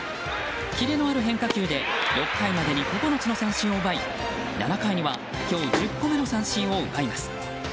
キレのある変化球で６回までに９つの三振を奪い７回には今日１０個目の三振を奪います。